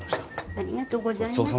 ありがとうございます。